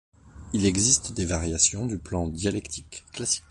Il existe des variations du plan dialectique classique.